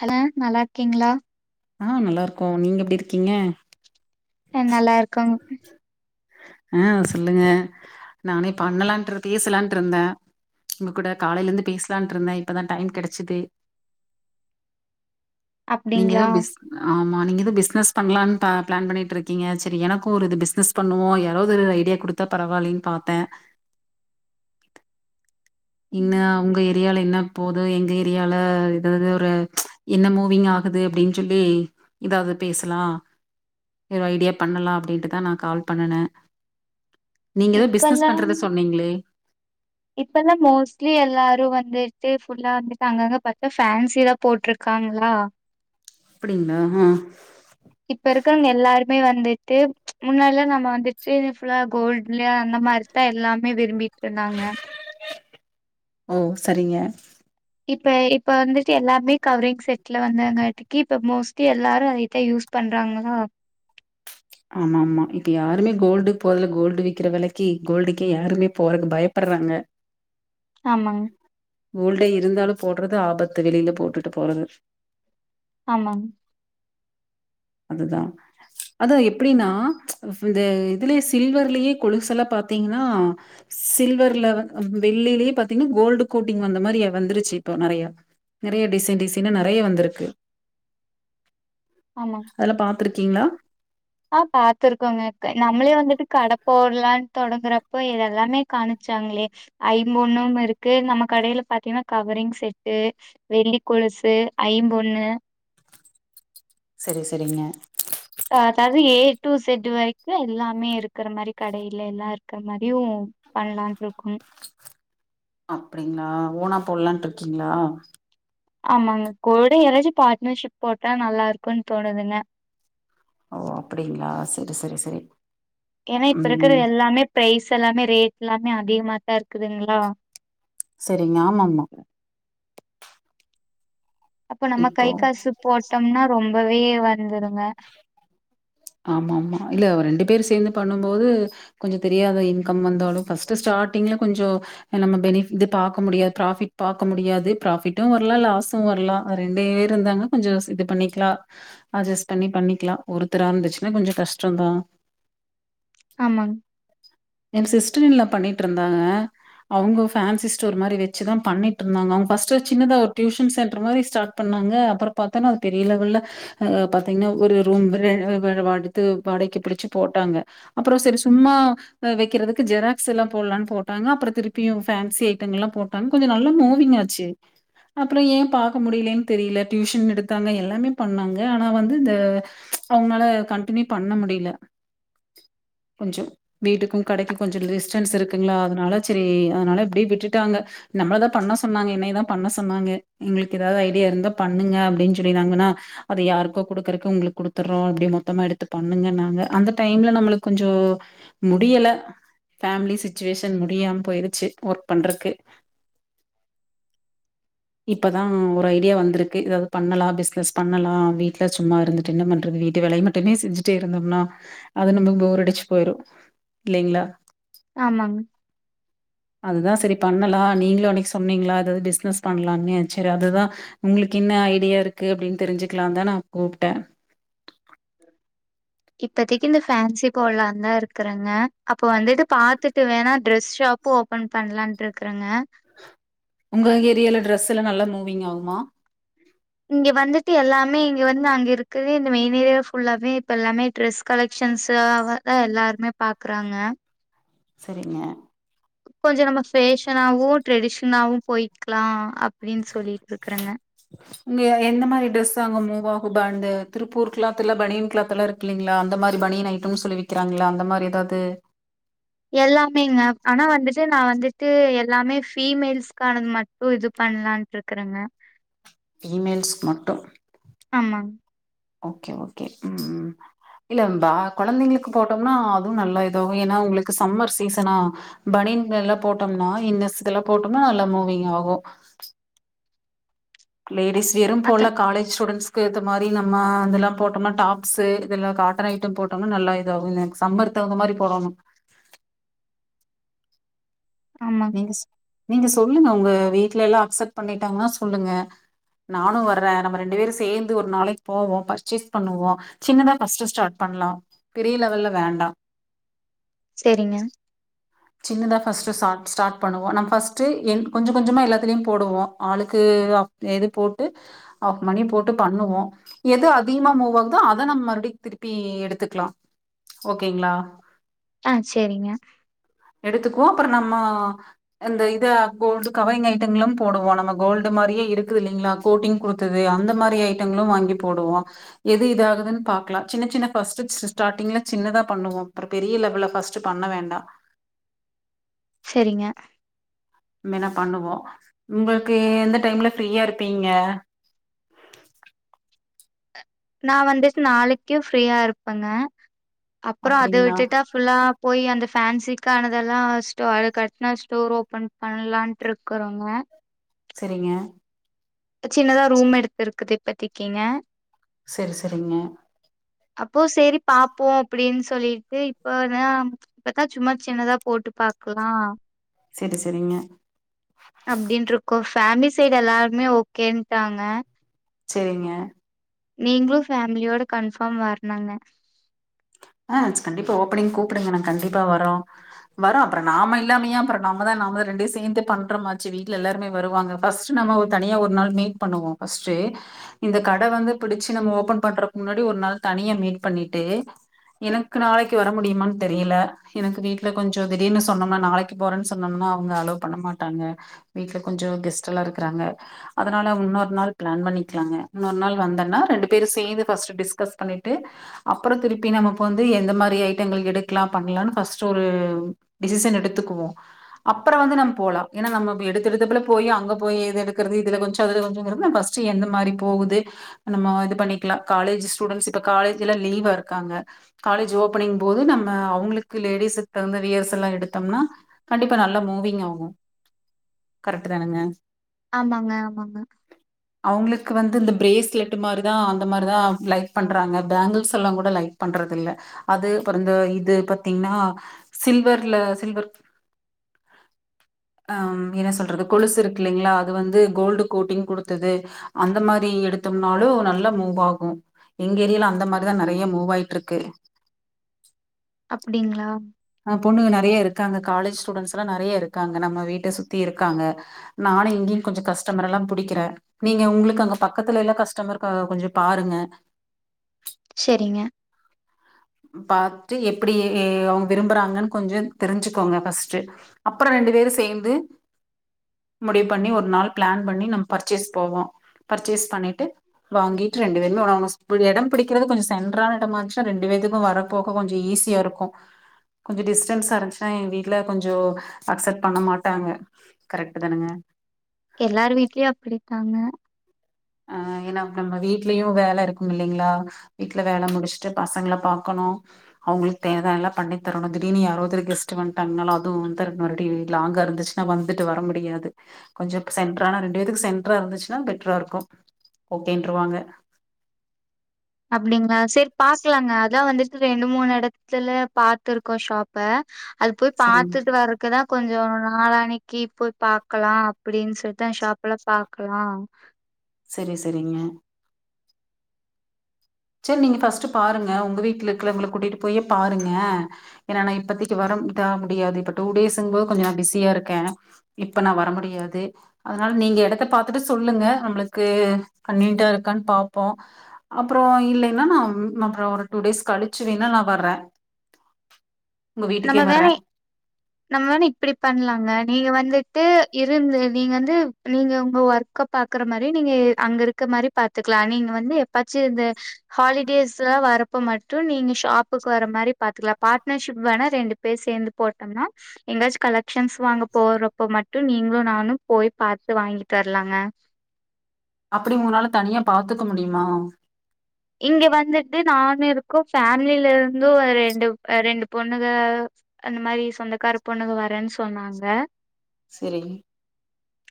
Hello நல்லா இருக்கீங்களா ஆ நல்லா இருக்கோம் நீங்க எப்டி இருக்கீங்க அ நல்லா இருக்கோ ஆ சொல்லுங்க நானே பண்ணலான்ட்டு பேசலான்ட்டு இருந்தே உங்க கூட காலையில இருந்து பேசலான்ட்டு இருந்தே இப்பதா டைம் கெடச்சது நீங்க அப்டிங்களா ஏதோ பிஸ் ஆமா நீங்க ஏதோ பிஸ்னஸ் பண்ணலானு பிளான் பண்ணிட்டு இருக்கீங்க சரி எனக்கு ஒரு இது பிஸ்னஸ் பண்ணுவோ யாராவது ஐடியா குடுத்தா பரவாயில்லைன்னு பாத்தே இன்ன ம் உங்க ஏரியால என்ன போது எங்க ஏரியால ஏதாவது ஒரு என்ன மூவிங் ஆகுது அப்டின்னு சொல்லி எதாவது பேசலா வேற ஐடியா பண்ணலா அப்டின்ட்டுதான் நா கால் பண்ணுனேன் நீங்க ஏதோ பிஸ்னஸ் இப்பல்லா பண்றத சொன்னீங்களே இப்பல்லா மோஸ்ட்லி எல்லாரு வந்து டே ஃபுல்லா வந்துட்டு அங்கங்க பாத்தா ஃபேன்சி தா போட்டிருக்காங்களா அப்டிங்களா ஆ இப்ப இருக்கவுங்க எல்லாருமே வந்துட்டு முன்னாடில்லா நம்ம வந்துட்டு ஃபுல்லா கோல்டுலயா அந்த மாறி தா எல்லாமே விரும்பிட்டுருந்தாங்க ம் சரிங்க இப்ப இப்ப வந்துட்டு எல்லாமே கவரிங் செட்ல வந்து அங்காட்டி இப்ப மோஸ்ட் எல்லாரு அதித்தே யூஸ் பண்றாங்களா ஆமா ஆமா இப்ப யாருமே கோல்டு போரதல்ல கோல்டு விக்கிற வெலக்கி கோல்டுக்கே யாருமே போறதுக்கு பயப் படுறாங்க ஆமாங்க கோல்டே இருந்தாலும் போடுறது ஆபத்து வெளியில போட்டுட்டுப் போறது ஆமாங்க அதுதா அதான் எப்டின்னா இந்த இதுலே சில்வர்லயே கொலுசெல்லா பாத்தீங்னா சில்வர்ல வந்து ஆ வெள்ளிலேயே பாத்தீங்கன்னா கோல்டு கோட்டிங் வந்த மாதிரிய வந்துருச்சு இப்போ நெறைய நெறைய டிசைன் டிசைனா நெறைய வந்திருக்கு ஆமா அதெல்லா பாத்துருக்கீங்ளா ஆ பாத்திருக்கோங்க நம்மளே வந்துட்டு கடை போடலானு தொடங்குறப்போ இதெல்லாமே காமிச்சாங்களே ஐம்பொண்ணும் இருக்கு நம்ம கடையில பாத்தீங்கன்னா கவரிங் செட்டு வெள்ளிக் கொலுசு ஐம்பொன்னு செரி செரிங்க அதாவது ஏ டு செட் வரைக்கு எல்லாமே இருக்கிற மாரி கடையில எல்லாம் இருக்கிற மாரியு பண்லான் இருக்கோ அப்டிங்களா ஓனா போடுலான்டு இருக்கீங்களா ஆமாங்க கூட யாராச்சும் பார்ட்னர்ஷிப் போட்டா நல்லாருக்கும்ன்னு தோணுதுங்க ஓ அப்டிங்களா சரி சரி சரி ஏன்னா இப்ப இருக்கிற ம். எல்லாமே ப்ரைஸ் எல்லாமே ரேட் எல்லாமே அதிகமா தா இருக்குதுங்களா சேரிங்க ஆமா ஆமா அப்போ நம்ம கை இப்போ காசு போட்டோம்னா ரொம்பவே வந்துருங்க ஆமா ஆமா இல்ல ரெண்டு பேர் சேந்து பண்ணும் போது கொஞ்சோம் தெரியாத இன்கம் வந்தாலு ஃபர்ஸ்ட் ஸ்டார்டிங்ல கொஞ்சோ நம்ம பெனிஃபிட் இது பாக்க முடியாது ப்ராஃபிட் பாக்க முடியாது ப்ராஃபிட்டும் வரலா லாஸு வரலா ரெண்டே பேர் இருந்தாங்க கொஞ்சோ இது பண்ணிக்லா அட்ஜஸ்ட் பண்ணி பண்ணிக்லா ஒருத் தரா இருந்துச்சுன்னா கொஞ்சோ கஷ்டந்தா ஆமாங் என் சிஸ்டர்ன்லா பண்ணிட்டு இருந்தாங்க அவுங்க ஃபேன்சி ஸ்டோர் மாரி வச்சு தா பண்ணிட்டுருந்தாங்க அவுங்க ஃபர்ஸ்ட்ல சின்னதா ஒரு டியூஷன் சென்டர் மாரி ஸ்டாட் பண்ணாங்க அப்றம் பாத்தன்னா அ பெரிய லெவல்ல பாத்தீங்ன்னா ஒரு ரூம்பு [unintelligible] வேற வாடித்து வாடகைக்கு பிடிச்சு போட்டாங்க அப்றோ சேரி சும்மா வைக்கிறதுக்கு ஜெராக்ஸ் எல்லா போடலான்னு போட்டாங்க அப்றோ திருப்பியும் ஃபேன்ஸி ஐட்டம் எல்லாம் போட் அங்க கொஞ்சோம் நல்லா மூவிங்காச்சு அப்றோ ஏ பாக்க முடியலேன்னு தெரியல டியூஷன் எடுத்தாங்க எல்லாமே பண்ணாங்க ஆனா வந்து இந்த அவுங்கனால கன்டினியூ பண்ண முடில கொஞ்சோ வீட்டுக்கு கடைக்கு கொஞ்சோ டிஸ்டன்ஸ் இருக்குங்ளா அதனால சரி அதனால இப்டியே விட்டுட்டாங்க நம்பளதா பண்ண சொன்னாங்க என்னதா பண்ண சொன்னாங்க எங்களுக்கு ஏதாவது ஐடியா இருந்தா பண்ணுங்க அப்டின் சொல்லிருந்தாங்கனா அது யாருக்கோ குடுக்குறக்கு உங்களுக்கு குடு த்துறோ அப்டி மொத்தமா எடுத்து பண்ணுங்க இன்னாங்க அந்த டைம்ல நம்மளுக்கு கொஞ்சோ முடியல ஃபேமிலி சிச்சுவேஷன் முடியாம போயிருச்சு ஒர்க் பண்றக்கு இப்பதா ஒரு ஐடியா வந்திருக்கு எதாவது பண்ணலா பிஸ்னஸ் பண்ணலா வீட்ல சும்மா இருந்துட்டுன் என்ன பண் வீட்டு வேலைய மட்டுமே செஞ்சிட்டே இருந்தோம்னா அது நம்ம போர் அடிச் போயிரு இல்லைங்ளா ஆமாங்க. அதுதா சரி பண்ணலா நீங்களு அன்னைக்கு சொன்னீங்ளா ஏதாவது பிசினஸ் பண்ணலானு சரி அதுதா உங்களுக்கு என்ன ஐடியா இருக்கு அப்டின் தெரிஞ்சுக்கலா தா நா கூப்ட்டே இப்பதக்கி இந்த ஃபேன்சி போலாந்தா இருக்கிறேங்க அப்போ வந்துட்டு பாத்துட்டு வேணா டிரெஸ் ஷாப் ஓப்பன் பண்ணலான்ட் இருக்குறேங்க உங்க ஏரியால டிரெஸ் எல்லா நல்லா மூவிங் ஆகுமா இங்க வந்துட்டு எல்லாமே இங்க வந்து அங்க இருக்குது இந்த மெயின் ஏரியா ஃபுல்லாவே இப்ப எல்லாமே ட்ரெஸ் கலெக்ஷன்ஸாவ தா எல்லாருமே பாக்குறாங்க சரிங்க கொஞ்ச நம்ம ஃபேஷனாவு ட்ரெடிஷனாவு போய்க்லா அப்டின் சொல்லிட்டு இருக்குறேங்க உங்க எந்த மாரி டிரெஸ் அங்க மூவ் ஆகுபா இந்த திருப்பூர் கிளாத்ல பனியன் கிளாத்லா இருக் இல்லைங்ளா அந்த மாரி பணியன் ஐட்டம் சொல்லிவிக்கிறாங்கள அந்த மாரி எதாவது எல்லாமேங்க ஆனா வந்துட்டு நா வந்துட்டு எல்லாமே ஃபீமேல்ஸ்க்கானது மட்டு இது பண்லான் இருக்றேங்க பீமெல்ஸ்க்கு மட்டூ ஆமாங்க. ஓகே ஓகே உம் இல்ல கொழந்தைங்களுக்கு போட்டோம்னா அதுவு நல்லா இதாகு ஏன்னா உங்களுக்கு சம்மர் சீசனா பனியன் எல்லா போட்டோம்னா இன்னெஸ் எல்லா போட்டோம்னா நல்லா மூவிங் ஆகு லேடிஸ் வியரும் போல அதான் காலேஜ் ஸ்டூடன்ஸ் ஏத்த மாரி நம்ம அதெல்லா போட்டோமுனா டாப்ஸு இதெல்லா காட்டன் ஐட்ட போட்டோம்னா நல்லா இதாகு சம்பர் தகுந்த மாரி போடனு ஆமாங்க. நீங்க நீங்க சொல்லுங்க உங்க வீட்ல எல்லா அக்செப்ட் பண்ணிட்டாங்கன்னா சொல்லுங்க நானு வர்றே நம்ம ரெண்டு பேரு சேந்து ஒரு நாளைக்கு போவோ பர்ச்சேஸ் பண்ணுவோ சின்னதா ஃபஸ்ட் ஸ்டார்ட் பண்லா பெரிய லெவல்ல வேண்டா சேரிங்க சின்னதா ஃபஸ்ட் ஸ்டார்ட் ஸ்டார்ட் பண்ணுவோ நம்ம ஃபஸ்ட்டு கொஞ்ச கொஞ்சமா எல்லாத்துலயு போடுவோ ஆளுக்கு எது போட்டு அவ மணி போட்டு பண்ணுவோ எது அதிகமா மூவ் ஆகுதோ அத நம்ம மறுபடி திருப்பி எடுத்துக்கலா ஓகேங்ளா ஆ சேரிங்க எடுத்துக்குவோ அப்றோ நம்மோ இந்த இது அப்போ வந்து கவரிங் ஐட்டங்களா போடுவோ நம்ம கோல்டு மாரியே இருக்குது இல்லிங்ளா கோட்டிங் கொடுத்தது அந்த மாரி ஐட்டங்களு வாங்கி போடுவோ எது இது ஆகுதுனு பாக்லா சின்ன சின்ன ஃபஸ்ட்டு ஸ்டாடிங்ல சின்னதா பண்ணுவோ அப்றோ பெரிய லெவல்ல பஸ்ட்டு பண்ண வேண்டா செரிங்க இனிமேனா பண்ணுவோ உங்களுக்கு எந்த டைம்ல ஃப்ரீயா இருப்பீங்க நா வந்துட்டு நாளைக்கு ஃப்ரீயா இருப்பேங்க அப்றோ அத அப்டிங்களா விட்டுட்டா ஃபுல்லா போய் அந்த ஃபேன்சிக்கானதெல்லா ஃப்ஸ்ட்டு அதுகரக்டா ஸ்டோர் ஓப்பன் பண்ணலான்ட்டு இருக்றோங்க செரிங்க சின்னதா ரூம் எடுத்து இருக்குது இப்பத்தக்கீங்க செரி செரிங்க அப்போ செரி பாப்போ அப்டின்னு சொல்லிட்டு இப்பதா இப்பதா சும்மா சின்னதா போட்டு பாக்கலா செரி செரிங்க அப்டின்னு இருக்கோ ஃபேமிலி சைடு எல்லாருமே ஓகேன்ட்டாங்க செரிங்க நீங்களும் ஃபேமிலியோட கன்ஃபார்ம் வர்னுங்க ஆ கண்டிப்பா ஓப்பனிங் கூப்டுங்க ந கண்டிப்பா வரோ வரோ அப்றோ நாம இல்லாமையா அப்றோ நாம தா நாம தா ரெண்டு சேர்ந்து பண்றமா மாச்சு வீட்ல எல்லாருமே வருவாங்க ஃபர்ஸ்ட் நம்ம தனியா ஒரு நாள் மீட் பண்ணுவோ ஃபஸ்ட்டு இந்த கடை வந்து பிடிச்சு நம்ம ஓபன் பண்றதுக்கு முன்னாடி ஒரு நாள் தனியா மீட் பண்ணிட்டு எனக்கு நாளைக்கு வர முடியுமானு தெரில எனக்கு வீட்ல கொஞ்சோ திடீர்னு சொன்னோனா நாளைக்கு போறேன்னு சொன்னோம்னா அவங்க அலோ பண்ண மாட்டாங்க வீட்ல கொஞ்ச கெஸ்ட்ல்லா இருக்காங்க அதனால இன்னொரு நாள் பிளான் பண்ணிக்கலாங்க இன்னொரு நாள் வந்தேன்னா ரெண்டு பேரும் சேந்து பஸ்ட்டு டிஸ்கஸ் பண்ணிட்டு அப்றோ திருப்பி நமக்கு இப்ப வந்து எந்த மாரி ஐட்டங்கள் எடுக்கலா பண்ணலாம்னு ஃபர்ஸ்ட் ஒரு டிசிசன் எடுத்துக்குவோ அப்றோ வந்து நம்ம போலா ஏன்னா நம்ம எடுத்த எடுத்தடுப்புல போய் அங்க போய் இது எடுக்கறது இதுல கொஞ்சோ அதுல கொஞ்சோ [unintelligible] [unintelligible] எந்த மாதிரி போகுது நம்ம இது பண்ணிக்கலா காலேஜ் ஸ்டூடெண்ட்ஸ் இப்ப காலேஜ்லா லீவா இருக்காங்க காலேஜ் ஓபனிங் போது நம்ம அவங்களுக்கு லேடிஸுக்கு தகுந்த வியர்சல்லா எடுத்தோம்னா கண்டிப்பா நல்லா மூவிங் ஆகு கரெக்ட் தானுங்க ஆமாங்க ஆமாங்க அவங்களுக்கு வந்து இந்த பிரேஸ்லெட் மாதிரி தா அந்த மாதிரிதா லைக் பண்றாங்க பேங்கிள்ஸ் எல்லா கூட லைக் பண்றது இல்ல அது அப்றோந்த இது பாத்தீங்கன்னா சில்வர்ல சில்வர் ம் என்ன சொல்றது கொலுசு இருக்கு இல்லைங்களா அது வந்து கோல்டு கோட்டிங் கொடுத்தது அந்த மாரி எடுத்தோம்னாலு நல்லா மூவ் ஆகு எங்க ஏரியால அந்த மாரிதா நெறைய மூவ் ஆயிட்டு ருக்கு அப்டிங்களா ஆ பொண்ணுக நெறைய இருக்காங்க காலேஜ் ஸ்டூடெண்ட்ஸ்ல்லா நெறைய இருக்காங்க நம்ம வீட்ட சுத்தி இருக்காங்க நானு இங்கேயு கொஞ்ச கஷ்டமர எல்லா புடிக்கிறே நீங்க உங்களுக்கு அங்க பக்கத்துல எல்லா கஸ்டமரு கா கொஞ்சோ பாருங்க செரிங்க பாத்துட்டு எப்டி அவுங்க விரும்புறாங்கன்னு கொஞ்சன் தெரிஞ்சுக்கோங்க ஃபஸ்ட்டு அப்பறோ ரெண்டு பேரு சேந்து முடிவு பண்ணி ஒரு நாள் பிளான் பண்ணி நம்ம பர்ச்சேஸ் போவோ பர்ச்சேஸ் பண்ணிட்டு வாங்கிட்டு ரெண்டு பேருமே ஓனோனோஸ் ஒரு எட பிடிக்கிறது கொஞ்சோ சென்றான எடமா இருந்துச்சுனா ரெண்டு பேத்துக்கு நம்ம வரப்போக கொஞ்ச ஈஸியா இருக்கு கொஞ்சோ டிஸ்டன்ஸ்சா இருஞ்ச்சுனா எங்க வீட்ல கொஞ்சோ அக்செப்ட் பண்ண மாட்டாங்க கரெக்ட்டு தானுங்க எல்லார் வீட்லயு அப்டிக்காங்க அ ஏனா நம்ம வீட்லயு வேல இருக்கும் இல்லைங்களா வீட்ல வேல முடிச்சுட்டு பசங்கள பாக்கணு அவுங்களுக்கு தேவ எல்லா பண்ணி தரணு திடீர்னு யாரோ ஒருத்தரு கெஸ்ட்டு வந்ட்டாங்கன்னாலு அதுவு வந்தர் நா ரெடி லாங்கா இருந்துச்சு நா வந்துட்டு வர முடியாது கொஞ்சோ சென்ட்ரானா ரெண்டு வேதுக்கு சென்ட்ரா இருந்துச்சுனா பெட்டரா இருக்கு ஓக்கேன்றுவாங்க அப்டிங்களா செரி பாக்கலாங்க அதா வந்துட்டு ரெண்டு மூணு எடத்துலா பாத்துருக்கோ ஷாப் ப அது போய் சரிங்க பாத்துட்டு வர க்கிற கொஞ்சோ நாளானிங்கி போய் பாக்கலா அப்டின்னு சொல்ட்டு தா ஷாப்லா பாக்கலா செரி செரிங்க செரி நீங்க ஃபஸ்ட்டு பாருங்க உங்க வீட்ல இருக்கவங்கள கூட்டிட்டு போயே பாருங்க ஏனா நா இப்பதைக்கி வரம் தா முடியாது இப்ப டூ டேஸ்ங்கு போது கொஞ்சோ நா பிஸியா இருக்கே இப்ப நா வர முடியாது அதனால நீங்க எடத்த பாத்துட்டு சொல்லுங்க நம்மளுக்கு கன்வீனியன்ட்டா இருக்கான்னு பாப்போ அப்றோ இல்லேனா நம் அப்றோ ஒரு டூ டேஸ் கழிச்சு வேணா நா வர்றே நம்ம வேனை வர்றேன் நம்ம வேணா இப்டி பண்ணலாங்க நீங்க வந்துட்டு இருந்து நீங்க வந்து நீங்க உங்க ஒர்க்கப் பாக்குற மாரி நீங்க அங்க இருக்க மாரி பாத்துக்கலா நீங்க வந்து எப்பாச்சு இந்த ஹாலிடேஸ்ஸா வரறப்ப மட்டு நீங்க ஷாப்புக்கு வர மாரி பாத்துக்கலா பார்ட்னர்ஷிப் வேண ரெண்டு பேர் சேந்து போட்டோம்னா எங்கயாச்சு கலெக்ஷன்ஸ் வாங்க போறப்பா மட்டு நீங்களு நானு போய் பாத்து வாங்கிட்டு வரலாங்க அப்பிடி உங்கனால தனியா பாத்துக்க முடியுமா இங்க வந்துட்டு நானு இருக்கோ ஃபேமிலில இருந்து ஒரு ரெண்டு ரெண்டு பொண்ணுக அந்த மாரி சொந்தக்கார பொண்ணுக வரேன்னு சொன்னாங்க செரி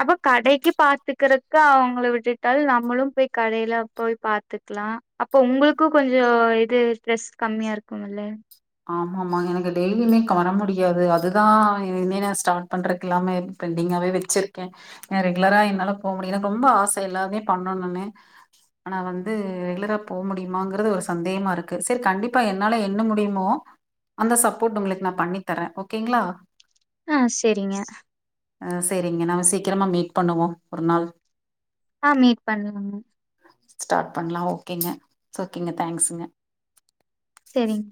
அப்ப கடைக்கு பாத்துக்கறக்கு அவுங்களா விட்டுட்டால் நம்மளு போய் கடைல போய் பாத்துக்கலா அப்போ உங்களுக்கு கொஞ்சோ இது ஸ்ட்ரெஸ் கம்மியா இருக்குமில ஆம மா எனக்கு டெய்லியுமே க வர முடியாது அதுதா என்னைனா சார்ட் பண்றக்கு இல்லாமா இருஞ் பெண்டிங்கா வே வச்சிருக்கே ஏ ரெகுலரா என்னால போ முடியல எனக்கு ரொம்ப ஆச எல்லாமே பண்ணணுனு ஆனா வந்து ரெகுலரா போ முடியுமாங்கிறது ஒரு சந்தேகமா இருக்கு செரி கண்டிப்பா என்னால என்ன முடியுமோ அந்த சப்போர்ட் உங்களுக்கு நான் பண்ணி தரேன் ஓகேங்களா ஆ செரிங்க ஆ செரிங்க நாம சீக்கிரமா மீட் பண்ணுவோம் ஒரு நாள் ஆ மீட் பண்ணலாங்க ஸ்டார்ட் பண்ணலாம் ஓகேங்க ஓகேங்க தேங்க்ஸ்ங்க செரிங்க